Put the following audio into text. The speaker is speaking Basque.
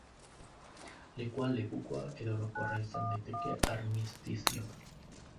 Lekuan lekukoa edo orokorra izan daiteke armistizioa.